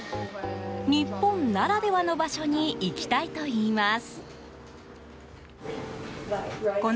日本ならではの場所に行きたいといいます。